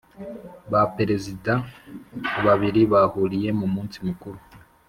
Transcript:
baPerezida babiri bahuriye mumunsi mukuru